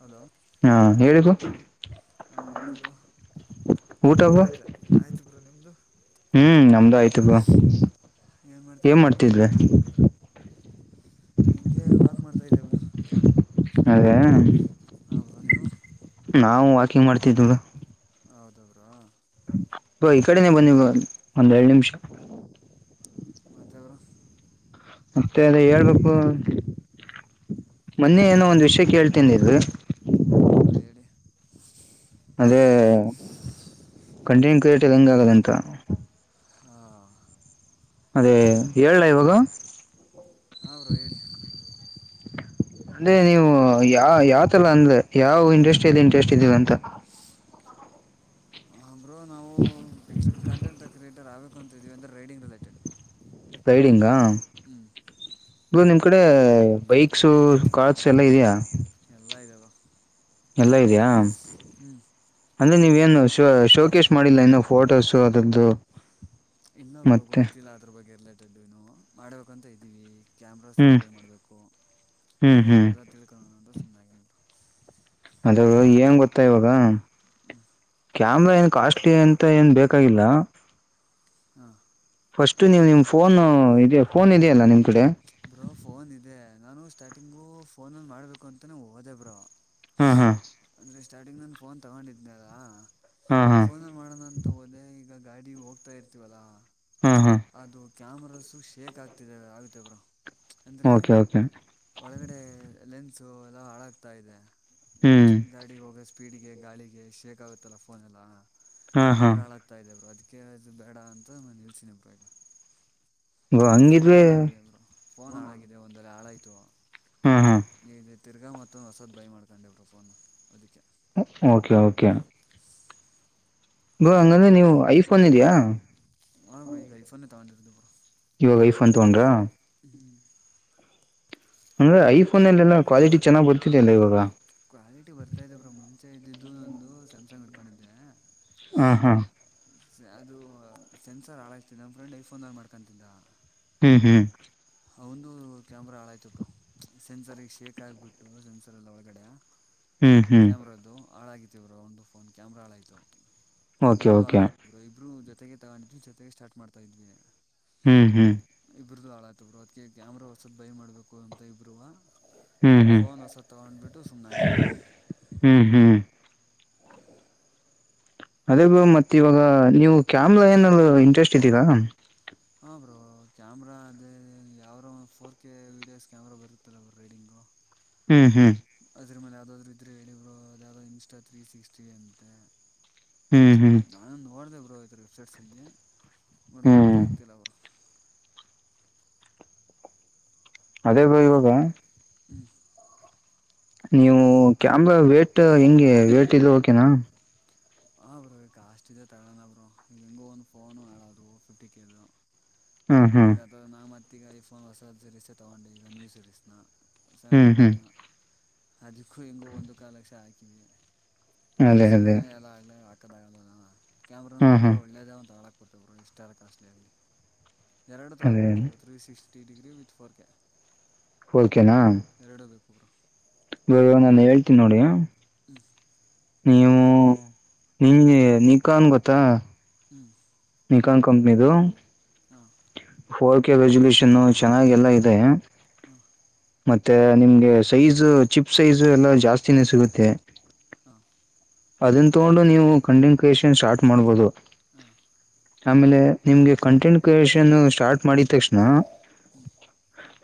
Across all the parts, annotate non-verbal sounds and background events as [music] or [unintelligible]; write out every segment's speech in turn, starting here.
Hello [unintelligible] ಹಾ ಹೇಳಿಗು ಹಾ ಹೇಳಿ ಬ್ರೋ. ಊಟ ಆಯ್ತಾ ಆಯ್ತು ಬ್ರೋ ನಿಮ್ದು ಹ್ಮ್ ನಮ್ದು ಆಯ್ತು ಬ್ರೋ ಹ್ಮ್ ಏನು ಏನ್ ಮಾಡ್ತಿದ್ರಿ ಬ್ರೋ ಮಾಡ್ತಿದ್ವಿ [unintelligible] ಹಿಂಗೆ ವಾಕ್ ಮಾಡ್ತಾ ಇದ್ದೆ ಬ್ರೋ [unintelligible] ಅದೇ ಹೌದು ನೀವು. ನಾವು ವಾಕಿಂಗ್ ಮಾಡ್ತಿದ್ವಿ ಬ್ರೋ. ಹೌದು ಬ್ರೋ. ಬ್ರೋ ಈ ಕಡೆನೇ ಬನ್ನಿ ಬ್ರೋ ಒಂದ್ ಎರಡು ನಿಮಿಷ. ಮತ್ತೆ ಬ್ರೋ ಮತ್ತೆ ಅದೇ ಹೇಳ್ಬೇಕು ಬ್ರೋ ಮೊನ್ನೆ ಏನೋ ಒಂದ್ ವಿಷಯ ಕೇಳ್ತೀನಿ ಅಂದ್ದಿರಿ. ಹೆ ಬ್ರೋ ಹೇಳಿ. ಅದೇ ಕಂಟಿನ್ಯೂ ಕ್ರಿಯೇಟಿವ್ ಹೆಂಗ್ ಆಗದ ಅಂತ. ಹಾ ಅದೇ ಹೇಳಲ್ಲ ಇವಾಗ ಹಾಂ ಬ್ರೋ ಹೇಳಿ [inaudible] ಅಂದ್ರೆ ನೀವು ಯಾ ಯಾವತರ ಅಂದ್ರೆ ಯಾವ್ ಇಂಡಸ್ಟ್ರಿಯಲ್ಲಿ ಇಂಟ್ರೆಸ್ಟ್ ಇದ್ದಿರಾ ಅಂತ. ಹಾ ಬ್ರೋ ನಾವು ಕಂಟೆಂಟ್ ಕ್ರಿಯೇಟರ್ ಆಗಬೇಕು ಅಂತಿದೀವಿ ಅಂದರೆ ರೈಡಿಂಗ್ ರಿಲೇಟೆಡ್. ರೈಡಿಂಗಾ ಹ್ಞೂ ಬ್ರೋ ನಿಮ್ ಕಡೆ ಬೈಕ್ಸು ಕಾರ್ಸ್ ಎಲ್ಲಾ ಇದಿಯಾ. ಎಲ್ಲಾ ಇದೆ ಬ್ರೋ. ಎಲ್ಲಾ ಇದಿಯಾ. ಹ್ಮ್. ಅಂದ್ರೆ ನೀವೇನು ಶೋ ಶೋಕೇಶ್ ಮಾಡಿಲ್ಲ ಇನ್ನು ಫೋಟೋಸು ಅದರದ್ದು ಇಲ್ಲ ಬ್ರೋ ಮತ್ತೆ ಗೊತ್ತಿಲ್ಲ ಅದರ ಬಗ್ಗೆ ರಿಲೆಟೇಡ್ ಏನೂ ಮಾಡ್ಬೇಕಂತ ಇದ್ದೀವಿ. ಕ್ಯಾಮರ್ಸೂ ಎಲ್ಲಾ ಹ್ಮ್ ಬೈ ಮಾಡಬೇಕು ಹ್ಮ್ ಅದೇ ಹ್ಮ್ ಅವನ್ನೆಲ್ಲಾ ಎಲ್ಲಾ ತಿಳ್ಕೊಳ್ಳೋಣ ಅಂತ ಸುಮ್ಮನಾಗಿನಿ ಬ್ರೋ. ಅದು ಏನ್ ಗೊತ್ತಾ ಇವಾಗ. ಹ್ಮ್ ಕ್ಯಾಮರ ಏನು ಕಾಸ್ಟ್ಲಿ ಅಂತ ಏನು ಬೇಕಾಗಿಲ್ಲ ಹಾ. ಫಸ್ಟ್ ನೀವು ನಿಮ್ ಫೋನ್ ಇದೆಯಾ ಫೋನ್ ಇದೆಯಲ್ಲಾ ನಿಮ್ ಕಡೆ. ಬ್ರೋ ಪೋನ್ ಇದೆ ನಾನು ಸ್ಟಾರ್ಟಿಂಗು ಪೋನಲ್ಲಿ ಮಾಡ್ಬೇಕು ಅಂತಾನೆ ಹೋದೆ ಬ್ರೋ ಹ್ಮ್ ಹಾ ಹ್ಮ್ ಹಾ ಅಂದ್ರೆ ಸ್ಟಾರ್ಟಿಂಗ್ ನನ್ ಪೋನ್ ತಗೊಂಡಿದ್ದೆ ಅಲ್ಲ ಹಾ ಹಾ ಪೋನ್ ಮಾಡೋಣ್ ಅಂತ ಹೋದೆ ಈಗ ಗಾಡಿ ಹೋಗ್ತಾ ಇರ್ತೀವಲ್ಲಾ ಹಾ ಹಾ ಅದು ಕ್ಯಾಮಾರ್ಸ ಶೇಕ್ ಆಗ್ತಿದೆ ಆಗುತ್ತೆ ಬ್ರೋ ಅಂದರೆ ಓಕೆ ಓಕೆ ಒಳಗಡೆ ಲೇನ್ಸು ಎಲ್ಲಾ ಹಾಳಾಗ್ತಾ ಇದೆ. ಹ್ಮ್ ಗಾಡಿ ಹೋಗೋ ಸ್ಪೀಡಗೆ ಗಾಳಿಗೆ ಶೇಕ್ ಆಗುತ್ತಲ್ಲ ಪೋನೆಲ್ಲ ಹಾ ಹಾ ಕ್ಯಾಮರ ಹಾಳ್ ತ್ತ ಇದೆ ಬ್ರೋ ಅದಕ್ಕೆ ಅದು ಬೇಡ ಅಂತ ನಿಲ್ಸಿನಿ ಬ್ರೋ ಈಗ. ಸುಮ್ಮನೆ ಪೋನ್ ಹಂಗಿದ್ರೆ ಹಾಳಾಗಿದೆ ಬ್ರೋ ಪೋನ್ ಹಾಳಾಗಿದೆ ಒಂದ್ ಹಾಳಾಯ್ತು. ಹಾ ಹಾ [unintelligible] ತಿರ್ಗಾ ಮತ್ತೊಂದು ಹೊಸದು ಬೈ ಮಾಡ್ಕೊಂಡೆ ಬ್ರೋ ಫೋನು ಅದಕ್ಕೆ ಓಕೆ ಓಕೆ. ಬ್ರೋ ಹಂಗಂದ್ರೆ ನೀವು ಐಫೋನ್ ಇದೆಯಾ. ಹಾ ಬರ ಈ ಗಐಫನ್ನೆ ತಾೊಂಡಿರು್ದ ಬರ ಇವಾಗ ಐಫ್ ಅನ್ ತಗೋೊಂಡ್ರಾ ಹ್ಮ್ ಅಂದ್ರೆ ಐಫೋನ್ಲ್ಲ ಕ್ವಾಲಿಟಿ ಚೆಾಗ್ ಬರ್ತತಿ ಅಲ್ಲ ಇವಾಗ ಕ್ವಾಲಿಟಿ ಬರ್ತಾಿದೆ ಬ್ರಾ ಮುಂಚೆ ಇದ್ದಿದ್ದು ನಂದು ಸ್ಯಾಮ್ಸಂಗ್ ಹಡ್ಕೊಂಡಿದ್ದೆ ಹಾ ಹಾ ಸೆ ಅದು ಸೆನ್ಸರ್ ಹಾಳಾಯ್ತ ನಮ್ಮ ಫ್ರೆಂಡ್ ಐಫೋನ್ನ್ ಮಾಡ್ಕೊಂತಿದ್ದ ಹ್ಮ್ ಹ್ಮ್ ಒಂದು ಕ್ಯಾಮರಾ ಹಾಾಯ್ತ ಬರು ಸೆನ್ಸರ್ ಶೇಕ್ ಆಗ್ಬಿಟ್ಟು ಸೆನ್ಸರ್ ಎಲ್ಲಿ ಒ ಹೊಗಡೆ ಹ್ಮ್ ಹ್ಮ್ ಕ್ಯಾಮ್ರ್ದು ಹಾಳಾಗಿತಿವರು ಒಂದು ಫೋನ್ ಕ್ಯಾಮ್ರಾ ಹಾಳಾಯ್ತು ಓಕೆ ನಂದು ಹಾಳ ಓಕೆ ಇಬ್ರು ಇಬ್ರು ಜೊತೆಗೆ ತಗೊಂಡಿದ್ವಿ ಜೊತೆಗೆ ಸ್ಟಾರ್ಟ್ ಮಾಡ್ತಾ ಇದ್ವಿ ಹ್ಮ್ ಹ್ಮ್ ಇಬ್್ರದುು ಹಾಳಾಯ್ತಬ್ರು ಅದ್ಕ್ಕೆ ಕ್ಯಾಮ್ರಾ ಹೊಸದ ಬೈ ಮಾಡ್ಬೇಕು ಅಂತ ಇಬ್ಬರುೂ ಹ್ಮ್ ಹ್ಮ್ ಫೋನ್ ಹೊಸ ತಗೊಂಡ್ಬಿಟ್ಟು ಸುಮ್ನೆಾಗಿವರು ಹ್ಮ್ ಹ್ಮ್. ಅದೇ ಬ್ರೋ ಮತ್ತ್ ಇವಾಗ ನೀವು ಕ್ಯಾಮ್ರಾ ಏನ ಇಂಟ್ರೆಸ್ಟ್ ಇದ್ದೀರಾ. ಹಾ ಬೋ ಕ್ಯಾಮ್ರಾ ಅದೇ ಯಾವಾರ ಫೋರ್ ಕೆ ವೀಡಿಯೋಸ್ ಕ್ಯಾಮ್ರಾ ಬರುತ್ತಲ್ಲ ರೀಡಿಂಗು. ಹ್ಮ್ ಹ್ಮ್. ಅದ್ರ ಮೇಲೆ ಯಾವುದಾದ್ರು ಇದ್ದರೆ ಹೇಳಿ ಬ್ರೋ ಅದ ಯಾವುದೋ ಇನ್ಸ್ಟಾ ತ್ರೀ ಸಿಕ್ಸ್ಟಿ ಅಂತೆ ಹ್ಮ್ ಹ್ಮ್ ನಾನೊಂದು ಓಡ್ದ ಬರು ಇದರ ವೆಬ್ಸೈಟ್ಸ್ ಅಲ್ಲಿ ನೋ ಹ್ಮ್ ಗೊತ್ತಾಗ್ತಿಲ್ಲ ಅವರು ಅದೇ ಬ ಇವಾಗ ಹ್ಮ್ ನೀವು ಕ್ಯಾಾಮ ವೇಟ್ ಹೆಂಗೆ ವೇಟ್ ಇಲ್ಲ ಓಕೆನಾ ಹಾಂ ಬರು ಈ ಕಾಸ್ಟ್ ಇದೆ ತಳ್ಳೋಣ ಬರು ಈಗ ಹೆಿಂಗೂ ಒಂದು ಫೋನು ಹೇಳೋದು ಫಿಫ್ಟಿ ಕೆದುು ಹ್ಮ್ ಹ್ಮ್ ಈಗ ಅಥ ನಾವು ಮತ್ತ ಈಗ ಐಫೋನ್ ಹೊಸಾದ ಸೀರೀಸೇ ತೊಗೊಂಡೆ ಈಗ ನ್ಯೂ ಸೀರೀಸ್ನ ಹ್ಮ್ ಹ್ಮ್ ಸಾವಟೆಂಪನ ಅದಿಕ್ಕೂ ಹೆಿಂಗು ಒಂದು ಕಾಲಕ್ಷ ಹಾಕಿವವಿ ಈ ಅದೇ ಅದೇ ಸುಮನೆ ಎಲ್ಲ ಆಗ್ಲಿ ಆಟೋ ಬ್ಯಾಗ ಕ್ಯಾಮ್ರಾ ಹ್ಮ್ ತಗೊಂಡ್ರೆ ಹ್ಮ್ ಒಳ್ಳೇದೇ ತಗಳಕ ೊಬ್ರು ಇಷ್ಟ ಎಲ್ ಕಾಸ್ಟ್ಲಿ ಆಗಲಿ ಎರಡು ಅದೇ ತಗೋಬೇಕುಬ್ರು three sixty degree with four K ೋದಕೆನಾ ಕೆರಡ ಬೇಕುಬ್ರು ಬ ನಾನು ಹೇಳ್ತೀನಿ ನೋಡಿ ಹ್ಮ ನೀವು ನಿ ನಿ ಕನ್ ಗೊತ್ತಾ ಹ್ಮ್ ನಿಕಾನ್ ಕಂಪನಿದು ಹಾ ಫೋರ್ ಕೆ ರೆಸೊಲ್ೂಷನ್ ಚೆನ್ನಾಗ ಎಲ್ಲಾ ಇದೆ ಹಾ ಮತ್ತೆ ನಿಮ್ಗೆ ಸೈಜು ಚಿಪ್ ಸೈಜು ಎಲ್ಲ ಜಾಸ್ತಿನೇ ಸಿಗುತ್ತೆ ಹಾಂ ಅದನ್ ತೋಂಡು ನೀವು ಕಂಡನ್ಸಷನ್ ಸ್ಟಾರ್ಟ್ ಮಾಡ್ಬೋದು. ಹಾ ಆಮೇಲೆ ನಿಮ್ಗೆ ಕಂಟೆಂಟ್ ಕ್ರಿಯೇಷ್ ಷನ್ನು ಸ್ಟಾರ್ಟ್ ಮಾಡಿದ್ ತಕ್ಷಣ ಹ್ಞೂ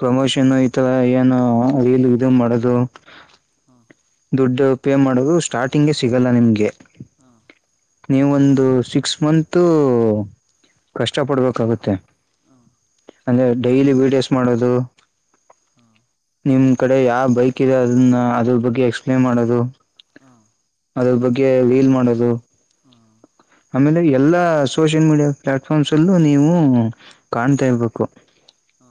ಪ್ರಮೋಷನ್ ಏನೂ ಲ್ಲಿ ಇದು ಮಾಡದು ಹಾಂ ದುಡ್ಡು ಪೇ ಮಾಡೋದು ಸ್ಟಾರ್ಟಿಂಗೆ ಸಿಗಲ್ಲ ನಿಮಗೆ. ಹ ನೀವೊಂದು ಸಿಕ್ಸ್ ಮಂತು ಕಷ್ಟ ಪಡ್ಬೇಕಾಗುತ್ತೆ. ಅಂದ್ರೆ ಡೈಲಿ ವೀಡಿಯೋಸ್ ಮಾಡೋದು. ಹಾ ನಿಮ್ ಕಡೆ ಯಾವ್ ಬೈಕ್ ಇದೆ ಅದನ್ನ ಅದ್ರ ಬಗ್ಗೆ ಎಕ್ಸ್ಪ್ಲೇನ್ ಮಾಡೋದು. ಹಾ ಅದ್ರ ಬಗ್ಗೆ ವೀಲ್ ಮಾಡೋದು. ಹಾ ಆಮೇಲೆ ಎಲ್ಲಾ ಸೋಷಿಯಲ್ ಮೀಡಿಯಾ ಪ್ಲಾಟ್ಫಾರ್ಮ್ಸ್ ಲ್ಲೂ ನೀವು ಕಾಣ್ತಾ ಇರ್ಬೇಕು. ಹಾ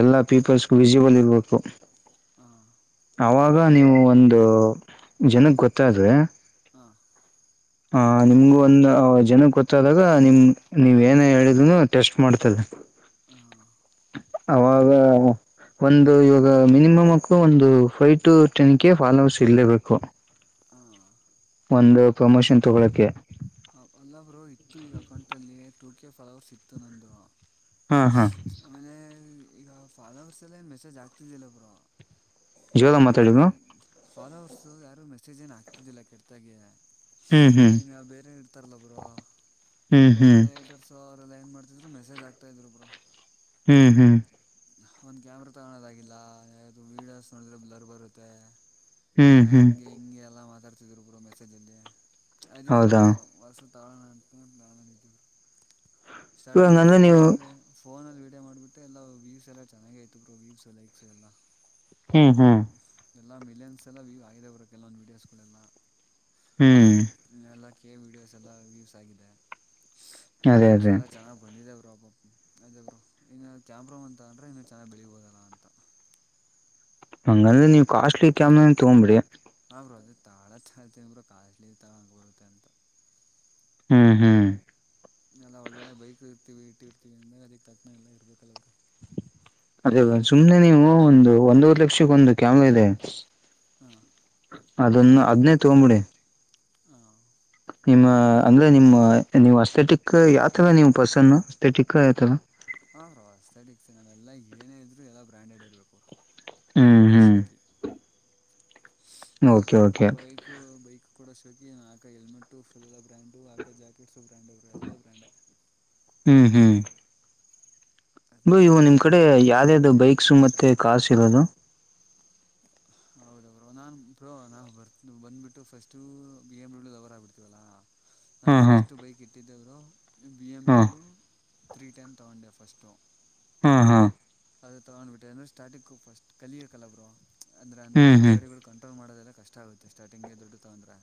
ಎಲ್ಲಾ ಪೀಪಲ್ಸ್ಗು ವಿಸಿಬಲ್ ಇರ್ಬೇಕು. ಹಾ ಆವಾಗ ನೀವು ಒಂದು ಜನಕ್ಕೆ ಗೊತ್ತಾದ್ರೆ ಹಾ ಹ ನಿಮ್ಗು ಒಂದು ಜನಕ್ ಗೊತ್ತಾದಾಗ ನಿಮ್ ನೀವ್ ಏನೇ ಹೇಳಿದ್ರುನೂ ಟೆಸ್ಟ್ ಮಾಡ್ತದೆ. ಹ ಹ ಅವಾಗ ಒಂದು ಇವಾಗ ಮಿನಿಮಮ್ಕ್ ಒಂದು ಫೈವ್ ಟು ಟೆನ್ಕೆ ಫಾಲೋವರ್ಸ್ ಇರ್ಲೇಬೇಕು. ಹಾಂ ಒಂದು ಪ್ರಮೋಷನ್ ತೊಗೊಳಕ್ಕೆೆ. ಅಲ್ಲ ಗುರು ಇತ್ತು ಈಗ ಅಕೌಂಟಲ್ಲಿ ಟೂ ಕೆ ಫಾಲೋವರ್ಸ್ ಇತ್ತು ನಂದು. ಹಾ ಹಾ ಆಮೇಲೆ ಈಗ ಫಾಲವರ್ಸಲ್ಲೇನ್ ಮೆಸೇಜ್ ಆಗ್ತಿದ್ದಿಲ್ಲ ಬ್ರೊ. ಜೋರ ಅಂದರೆೆ ಮಾತಾಡಿದ್ರು ಫಾಲೋವರ್ಸು ಯಾರೂ ಮೆಸೇಜೇನ್ ಹಾಕ್ತಿದ್ದಿಲ್ಲ ಕೆಟ್ಟದಾಗೆ. ಹ್ಮ್ ಹ್ಮ್ ಇನ್ನ ಬೇರೆ ಇಡ್ತಾರಲ್ಲ ಬ್ರೊ ಹ್ಮ್ ಹ್ಮ್ ಅವರ್ಗೆ ದಸ್ಸಾರ್ರ ಏನ್ ಮಾಡ್ತಿದ್ರು ಮೆಸೇಜ್ ಆಗ್ತಾ ಇದ್ರು ಬ್ರೋ ಹ್ಮ್ ಹ್ಮ್ ಒಂದು ಕ್ಯಾಮ್ರಾ ತೊಗೊಳೋದಾಗಿಲ್ಲ ಯಾವುದು ವೀಡಿಯೋಸ್ ನೋಡಿದ್ರರೆ ಬ್ಲರ್ ಬರುತ್ತೆ. ಹ್ಮ್ ಹ್ಮ್ ಹಂಗೆ ಹಿಂಗೆ ಎಲ್ಲಾ ಮಾತಾಡ್ತಿದ್ರು ಬ್ರೋ ಮೆಸೇಜಲ್ಲಿ ಅದಕ್ಕೆ ಹೌದಾ ಅವರು ಹೊಸ್ದು ತಾಮಗೊಳೋಣ ಅಂತ ನಾನು ನಿಂತಿದ್ರು, ಸ್ಟಾರ್ಟಿಂಗಿಂದ ಇವಾಗಂದ್ರೆ ನೀವು ಫೋನಲ್ಲಿ ಫೋನಲ್ಲಿ ವೀಡಿಯೋ ಮಾಡಿಬಿಟ್ಟೆ ಎಲ್ಲ ವೀವ್ಸ್ ಎಲ್ಲ ಚೆನ್ನಾಗೆ ಇತ್ತು ಬ್ರೋ ವೀವ್ಸು ಲೈಕ್ಸು ಎಲ್ಲ. ಹ್ಮ್ ಹ್ಮ್ ಎಲ್ಲ ಮಿಲಿಯನ್ಸ್ ಎಲ್ಲ ವ್ಯೂ್ ಆಗಿದೆ ಬ್ರೋ ಕೆಲವೊಂದು ವೀಡಿಯೋಸ್ಗಳೆಲ್ಲ. ಹ್ಮ್ ಎಲ್ಲ ಕೆ ವಿಡಿಯೋಸ್ ಎಲ್ಲಾ ವ್ಯೂಸ್ ಆಗಿದೆ. ಅದೇ ಲೈಕ್ಸ್ ಅದೇ ಎಲ್ಲ ಚೆನ್ನಾಗ್ ಬಂದಿದೆ ಬ್ರೊ. ಅದೆ ಬ್ರೊ ಇನ್ನ ಕ್ಯಾಮ್ರಾ ಒಂದ್ ತಗಂಡ್ರೆ ಇನ್ನೂ ಚೆನ್ನಾಗಿ ಬೆಳಿಬೋದಲ್ಲ ಅಂತ. ಹಂಗಂದ್ರೆ ನೀವು ಕಾಸ್ಟ್ಲಿ ಕ್ಯಾಮ್ರನೇ ತಗೊಂಡ್ಬಿಡಿ. ಹಾಂ ಬ್ರೊ ಅದೆ ತಾಳದ್ ತಗಳ್ತಿವ್ ಬ್ರೊ ಕಾಸ್ಟ್ಲಿ ತೊಂಬರುತ್ತೆ ಅಂತ. ಹ್ಮ್ ಹ್ಮ್ ಎಲ್ಲ ಒಳ್ಳೊಳ್ಳೆ ಬೈಕ್ ಇರ್ತೀವಿ ಇಟ್ಟು ಇರ್ತೀವಿ ಅಂದ್ರಲೆ ಅದಕ್ಕೆ ತಕ್ಕಂಗೆ ಎಲ್ಲ ಇಬೇಕಲ್ಲ ಬ್ರೋ ಅದೇ ಸುಮ್ನೆ ನೀವು ಒಂದು ಒಂದೂವರೆ ಲಕ್ಷಕ್ಕೆ ಒಂದು ಕ್ಯಾಮೆರಾ ಇದೆ ಹಾ ಅದನ್ನು ಅದನೇ ತಗೊಂಬಿಡಿ ಹಾ ನಿಮ್ಮ ಅಂದ್ರೆ ನಿಮ್ಮ ನೀವು ಅಸ್ತೆೆಟಿಕ್ ಯಾವತರ ನೀವು ಪರ್ಸನ್ ಅಸ್ತೆೆಟಿಕ್ ಯಾವತರ ಹಾಂ ಬ್ರೋ ಅಸ್ತೆೆಟಿಕ್ಸ್ ನಾವೆಲ್ಲ ಏನೇ ಇದರೂ ಎಲ್ಲ ಬ್ರ್ಯಾಂಡೆಡ್ ಇರಬೇಕು ಹ್ಮ್ ಫುಲ್ ಶೋಕಿ ಹ್ಮ್ ಓಕೆ ಓಕೆ ಬೈಕು ಬೈಕ್ ಕೂಡ ಶೋಕಿ ಆಕ ಹೆಲ್ಮೆಟ್ ಫುಲ್ ಬ್ರ್ಯಾಂಡು ಅಕೋ ಜಾಕೆಟ್ ಸಹ ಬ್ರಾಂಡ್ ಎಲ್ಲ ಬ್ರ್ಯಾಂಡೆ ಹ್ಮ್ ಹ್ಮ್ ಬ್ರೋ ಈವಾಗ ನಿಮ್ಮ ಕಡೆ ಯಾವ್ದ್ಯಾವ್ದು ಬೈಕ್ಸ್ ಮತ್ತೆ ಕಾರ್ಸ್ ಸಿಗೋದು ಹೌದ್ರೋ ಬ್ರೋ ನಾನ್ ಬೋ ನಾವು ಬರ್ ಬಂದ್ಬಿಟ್ಟು first B M W lover ಆಗಿಬಿಡ್ತೀವಾಲ್ಲ [inaudible] ನಾನು ಫಸ್ಟು ಬೈಕ್ ಇಟ್ಟಿದ್ದವರು ಬಿ ಎಮ್ ಹಾ ಡಬ್ಲ್ಯೂ ತ್ರೀ ಟೈನ್ ತೊಗೊಂಡೆ ಫಸ್ಟು ಹಾ ಹಾ ಅದು ತಗೊಂಡ್ಬಿಟ್ಟೆ ಅಂದೆ ಸ್ಟಾರ್ಟಿಂಗ್ ಫಸ್ಟ್ ಕಲಿಯೋಬೇಕಲ್ಲ ಬ್ರೋ ಅಂದ್ರ ಅಂತ ಹ್ಮ್ ದೊಡ್ಡ ಗಾಡಿಗಳು ಕಂಟ್ರೋಲ್ ಮಾಡೋದೆಲ್ಲ ಕಷ್ಟ ಆಗುತ್ತೆ ಸ್ಟಾರ್ಟಿಂಗ ದೊಡ್ಡೋದು ತಕೊಂಡ್ರೆ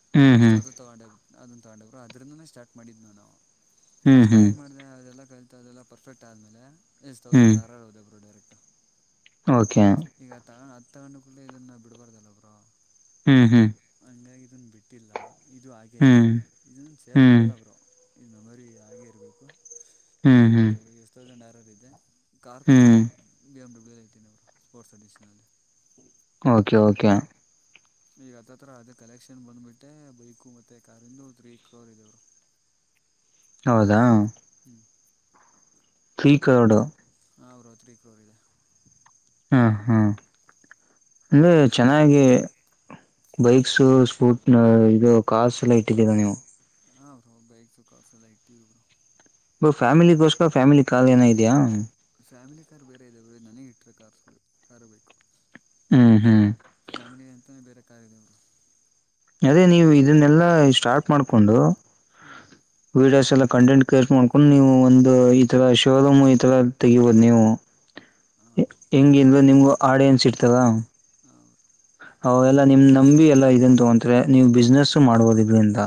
ಹ್ಮ್ ಹ್ಮ್ ಫ್ರಿಸ್ಟ್ ಅದು ತಕೊಂಡೆ ಅದನ್ನ ತಕೊಂಡೆ ಬ್ರೋ ಅದರಿಂದಾನೆ ಸ್ಟಾರ್ಟ್ ಮಾಡಿದ್ದು ನಾನು ಆ ಹ್ಮ್ ಹ್ಮ್ ಹ್ಮ್ ಸ್ಟಾರ್ಟ್ ಮಾಡಿದೆ ಅದೆಲ್ಲ ಕಲಿತಾ ಅದೆಲ್ಲ ಪರ್ಫೆಕ್ಟ್ ಆದಮೇಲೆ ಎಸ್ ಹ್ಮ್ ತೌಸಂಡ್ ಆರ್ ಆರ್ ಹೊದೆ ಬ್ರೋ ಡೈರೆಟ್ ಓಕೆ ಈಗ ಅದನ್ನ ತಕೊಂಡು ಕೂಡ ಇದನ್ನು ಬಿಡಬಾರ್ದಲ್ಲ ಬ್ರೋ ಹ್ಮ್ ಹ್ಮ್ ಹಂಗಾಗಿ ಇದನ್ನ ಬಿಟ್ಟಿಲ್ಲ ಇದು ಹಾಗೇ ಹ್ಮ್ ಇದೆ ಇದನ್ನ ಸೇಲ್ ಹ್ಮ್ ಮಾಡಲ್ಲ ಬ್ರೋ ಇದು ಮೆಮೊರಿ ಹಾಗೇ ಇರಬೇಕು ಅದುೂ ಹ್ಮ್ ಹ್ಮ್ ಇರಬೇಕು bro S thousand R R ಇದೆ ಕಾರ್ ಕೂಡ ಹ್ಮ್ ಬಿ ಎಮ ಡಬ್ಲ್ಯೂ ಇಟ್ಟಿನೆ bro four addition okay okay ಈಗ ಹತ್ತತ್ರ ಅದೇ ಕಲೆಕ್ಷನ್ ಬಂದ್ಬಿಟ್ಟೆ ಬೈಕು ಮತ್ತೆ ಕಾರ್ ಯಿಂದು ತ್ರೀ ಕ್ರೋರ್ ಇದೆ ಬ್ರೋ ಹೌದಾ ಹ್ಮ್ ತ್ರೀ ಕ್ರೋರ್ ಹಾ ಬ್ರೋ ತ್ರಿ ಕ್ರೋರ್ ಇದೆ ಹಾಂ ಹಾಂ ಅಂದರೆ ಅದಕ್ಕೆ ಚೆನ್ನಾಗಿ ಬೈಕ್ಸ್ ಸ್ಪೂಟ್ ಇದು ಕಾರ್ಸ್ ಎಲ್ಲ ಇಟ್ಟಿದ್ದೀರ ನೀವು ಹಾ ಬ್ರೋ ಬೈಕ್ಸು ಕಾರ್ಸ್ ಎಲ್ಲಾ ಇಟ್ಟಿವಿ ಬ್ರೋ ಬ್ರೋ ಫ್ಯಾಮಿಲಿಗೋಸ್ಕ ಫ್ಯಾಮಿಲಿ ಕಾಲ್ ಏನಾರ ಇದಿಯಾ ಫ್ಯಾಮಿಲಿ ಕಾರ್ ಬೇರೆ ಇದಾವೇ ಬ್ರೋ ಇದು ನನಗೆ ಇಟ್ಟಿರೋ ಕಾರ್ಸ್ ಇವು ಕಾರು ಬೈಕ್ ಹ್ಮ್ ಹ್ಮ್ ಫ್ಯಾಮಿಲಿ ಅಂತಾನೇ ಬೇರೆ ಕಾರ್ ಇದೆ ಬ್ರೋ ಅದೇ ನೀವು ಇದನ್ನೆಲ್ಲಾ ಸ್ಟಾರ್ಟ್ ಮಾಡ್ಕೊಂಡು ಹ್ಮ್ ವೀಡಿಯೋಸ್ ಎಲ್ಲ ಕಂಟೆಂಟ್ ಕ್ರಿಯೇಟ್ ಮಾಡ್ಕೊಂಡು ನೀವು ಒಂದು ಈ ತರ ಶೋರೂಮ್ ಈ ತರ ತೆಗಿಬಹುದು ನೀವು ಹಾ ಹೆಂಗಿದು ನಿಮಗೂ ಆಡಿಯನ್ಸ್ ಇಡ್ತದಾ ಆ ಅವು ಎಲ್ಲಾ ನಿಮ್ ನಂಬಿ ಎಲ್ಲಾ ಇದನ್ನ ತೊಗಂತಾರೆ ನೀವು ಬಿಸ್ನೆಸ್ ಮಾಡ್ಬೋದು ಇದರಿಂದ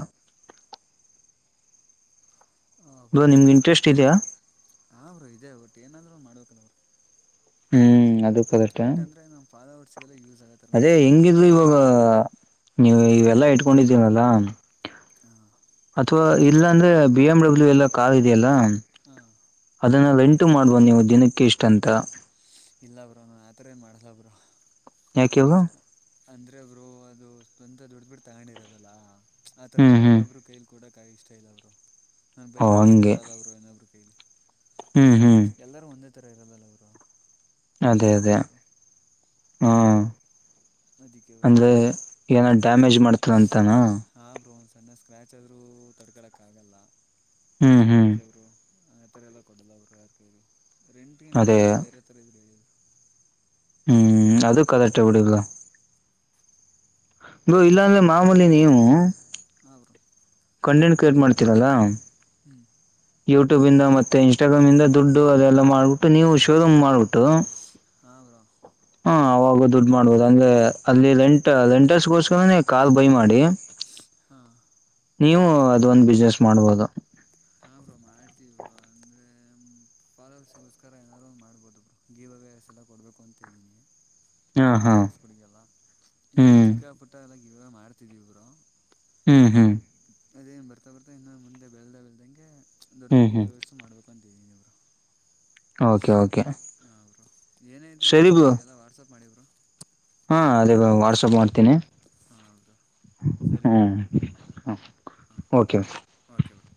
ಹ ಬ್ರೋ ನಿಮ್ಗೆ ಇಂಟ್ರೆಸ್ಟ್ ಇದೆಯಾ ಹಾ ಬ್ರೋ ಇದೇ ಒಟ್ಟು ಏನಾದ್ರೂ ಒಂದು ಮಾಡ್ಬೇಕಲ್ಲ ಬ್ರೋ ಹ್ಮ್ ಅದು ಕರೆಕ್ಟ್ ಬಟ್ ಅಂದ್ರೆ ನಮ್ಮ ಫಾಲೋವರ್ಸ್ ಗೆಲ್ಲ ಯೂಸ್ ಆಗತ್ತೆ ಅದೇ ಹೆಂಗಿದ್ರು ಇವಾಗ ನೀವು ಇವೆಲ್ಲಾ ಇಟ್ಕೊಂಡಿದ್ದೀವಲ್ಲಾ ಹಾ ಅಥವಾ ಇಲ್ಲ ಅಂದ್ರೆ ಬಿ ಎಮ್ ಡಬ್ಲ್ಯೂ ಎಲ್ಲ ಕಾರ್ ಇದೆಯಲ್ಲಾ ಹಾ ಅದನ್ನ ರೆಂಟಗ ಮಾಡ್ ಬನ್ನಿ ದಿನಕ್ಕೆ ಇಷ್ಟ ಅಂತ ಇಲ್ಲ ಬ್ರೋ ನಾನ ಆ ಥರ ಏನ ಮಾಡಲ್ಲ ಬ್ರೋ ಯಾಕೆ ಬ್ರೋ ಅಂದ್ರೆ ಬ್ರೋ ಅದು ಸ್ವಂತ ದುಡ್ಡದ ಬಿಟ್ಟ ತಗಂಡಿರದಲ್ಲಾ ಆ ತರ ಹ್ಮ್ ಹ್ಮ್ ಇನ್ನೊಬ್ರು ಕೈಲ್ ಕೂಡಕ್ಕ ಇಷ್ಟ ಇಲ್ಲ ಬ್ರೋ ನನ್ನ ಓ ಬೈಕ್ ಆದರು ಹಂಗೆ ಕೊಡಲ್ಲ ಬ್ರೋ ಇನೂಬ್ಬರ ಕೈಲಿ ಹ್ಮ್ ಹ್ಮ್ ಎಲ್ಲರೂ ಒಂದೇ ಥರ ಇರಲ್ಲಲ್ಲ ಬ್ರೋ ಅದೇ ಅದೇ ಈಸ್ಕೊಳ್ಳೋರು ಹಾ ಅದಕ್ಕೆ ಬ್ರೋ ಅಂದ್ರೆ ಏನ ಡ್ಯಾಮೇಜ್ ಮಾಡ್ತಾನ ಅಂತಾನ ಹಾ‌ ಬ್ರೋ ಒಂದ್ ಸಣ್ಣ ಸ್ಕ್ರ್ಯಾಚ್ ಆದರೂ ತಡ್ಕಳಕ್ಕ ಆಗಲ್ಲ ಹ್ಮ್ ಹ್ಮ್ ಅದಕ್ಕೆ ಬ್ರೋ ಆ ಥರ ಎಲ್ಲ ಕೊಡಲ್ಲ ಬ್ರೋ ಯಾರ ಕೈಲಿ ರೆಂಟ್ ಗಿಂಟ ಎಲ್ಲ ಅದೇ ಬಿಟ್ಟ ಬೇರೆ ಥರ ಇದ್ದರೆ ಹೇಳಿ ಹ್ಮ್ ಅದು ಕರೆಕ್ಟೆ ಬಿಡಿ ಬ್ರೋ ಬ್ರೋ ಇಲ್ಲಾಂದ್ರೆ ಮಾಮೂಲಿ ನೀವು ಹ ಬ್ರೋ ಕಂಟೆಂಟ್ ಕ್ರಿಯೇಟ್ ಮಾಡ್ತೀರಲ್ಲಾ ಹ್ಮ್ ಯೂಟ್ಯೂಬ್ ಇಂದ ಮತ್ತೆ ಇನ್ಸ್ಟಾಗ್ರಾಮ್ ಇಂದ ದುಡ್ಡು ಅದೆಲ್ಲ ಮಾಡ್ಬಿಟ್ಟು ನೀವು ಶೋರೂಮ್ ಮಾಡ್ಬಿಟ್ಟು ಹಾ ಬ್ರೋ ಹಾ ಆವಾಗ ದುಡ್ ಮಾಡ್ಬೋದು ಅಂದ್ರೆ ಅಲ್ಲಿ ರೆಂಟ್ ರೆಂಟರ್ಸ್ಗೋಸ್ಕರ ಕಾರ್ ಬೈ ಮಾಡಿ ಹಾ ನೀವು ಅದೊಂದ ಬಿಸ್ನೆಸ್ ಮಾಡ್ಬೋದು ಹಾ ಬ್ರೋ ಮಾಡ್ತೀವ ಬ್ರೋ ಅಂದರೆ ಫಾಲೂವರ್ಸಿಗೋಸ್ಕರ ಏನಾದಾರು ಒಂದ್ ಮಾಡ್ಬೋದು ಬ್ರೋ ಗೀವ ಅವೇಸ ಎಲ್ಲ ಕೊಡಬೇಕು ಅಂತ ಇದ್ದೀನಿ [inaudible] ಫಾಲೋವರ್ಸಗಳಿಗೆಲ್ಲ ಇವು ಹ್ಮ್ ಚಿಕ್ಕ ಪುಟ್ಟ ಎಲ್ಲ ಗಿವ ಅವೇ ಮಾಡ್ತಿದೀವಿ ಬ್ರೋ ಹ್ಮ್ ಹ್ಮ್ ಅದೇನು ಬರ್ತಾ ಬರ್ತಾ ಇನ್ನೊ ಮುಂದೆ ಬೆಳದ ಬೆಳದಂಗೆ ದೊಡ್ಡ ದೊಡ್ಡ ಹ್ಮ್ ಗೀವ ಹ್ಮ್ ಅವೇಸು ಮಾಡಬೇಕು ಅಂತಿದ್ದೀನಿ ಬ್ರೋ ಓಕೆ ಓಕೆ ಹ ಬ್ರೋ ಏನೇ ಇದ್ರು ಒಂದ್ ಸರಿ ಚುರ್ ಬ್ರೋ ನನಗೆಲ್ಲ ವಾಟ್ಸಪ್ ಮಾಡಿ ಬ್ರೋ ಹಾ ಅದೇ ವಾಟ್ಸಆಪ್ ಮಾಡ್ತ ತ್ತಿನಿ ಹಾಂ ಬ್ರೋ ಸರಿ ಬ್ರೋ ಹ ಹ ಹಾಂ ಓಕೆ ಓಕೆ ಬ್ರೋ